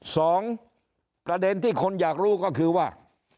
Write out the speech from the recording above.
สองประเด็นที่คนอยากรู้ก็คือว่า